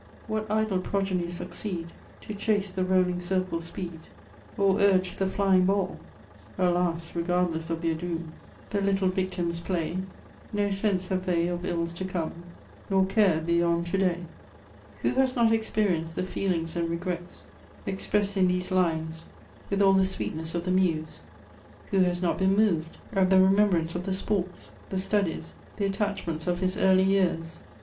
What idle progeny succeed , To chase the rolling civde's speed. Or urge the flying baiU ? I •««•• AlasI regardless of their doom. The little fictims play; No sense have they of ills to ccHne» Nor care beyond to day. "Who has not experieneed the feelings and regrets expressed in these lines with all the sweetness gI the muse ? Who has not heen moved at the remembrance of the sports, the studies, the attachments of his early jears